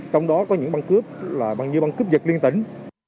trong đó có những băng cướp là băng như băng cướp dịch liên tỉnh